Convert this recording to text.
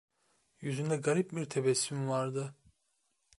Yüzünde garip bir tebessüm vardı.